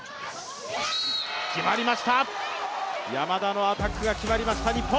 山田のアタックが決まりました、日本。